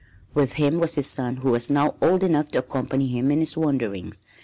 With him was his son who was now old enough to accompany him in his wanderings.